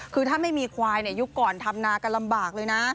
คือถ้าไม่มีควายยุคก่อนทำนากันลำบากเลยนะ